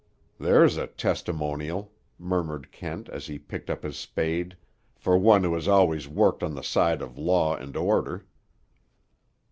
"There's a testimonial," murmured Kent, as he picked up his spade, "for one who has always worked on the side of law and order."